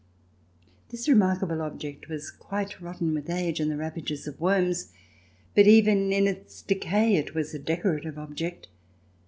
This remarkable object was quite rotten with age and the ravages of worms, but even in its decay it was a decorative object.